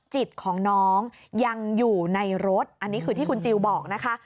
จิตของน้องยังอยู่ในรถอันนี้คือที่คุณจิลบอกนะคะ